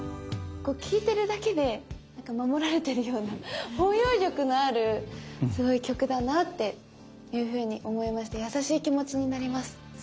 こう聞いてるだけでなんか守られてるような包容力のあるすごい曲だなっていうふうに思いまして優しい気持ちになります。